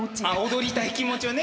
踊りたい気持ちをね。